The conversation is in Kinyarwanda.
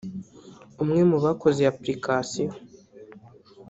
umwe mu bakoze iyo Application